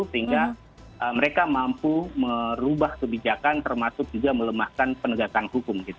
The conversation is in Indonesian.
sehingga mereka mampu merubah kebijakan termasuk juga melemahkan penegasan hukum gitu